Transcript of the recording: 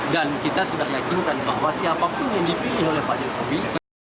dan kita sudah yakinkan bahwa siapapun yang dipilih oleh pak jokowi